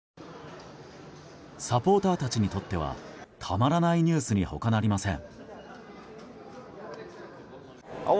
サポーターたちにとってはたまらないニュースに他なりません。